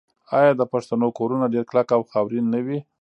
آیا د پښتنو کورونه ډیر کلک او خاورین نه وي؟